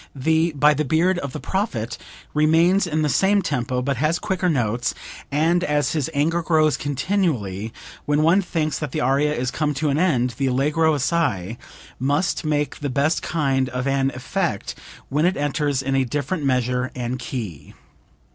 The 'By the beard of the Prophet' remains in the same tempo but has quicker notes, and as his anger grows continually, when one thinks that the aria is come to an end, the Allegro assai must make the best kind of an effect when it enters in a different measure and key.